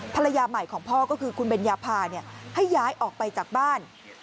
ภรรยาใหม่ของพ่อก็คือคุณเบญญาพาให้ย้ายออกไปจากบ้าน